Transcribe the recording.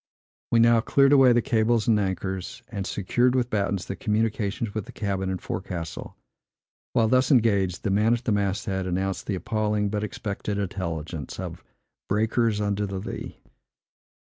We now cleared away the cables and anchors, and secured with battens the communications with the cabin and forecastle. While thus engaged, the man at the mast head announced the appalling, but expected intelligence, of "breakers under the lee."